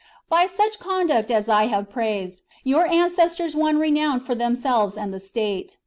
By such conduct as I have praised your ancestors won renown for themselves and the state.